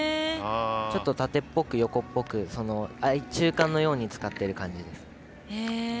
縦っぽく、横っぽく中間のように使っている感じです。